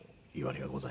はい。